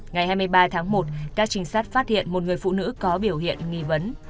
ngày hai mươi ba tháng một các trinh sát phát hiện một người phụ nữ có biểu hiện nghi vấn